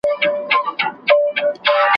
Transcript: راتلونکی د ژوند لپاره مهم دی.